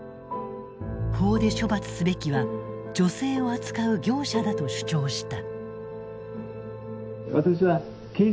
法で処罰すべきは女性を扱う業者だと主張した。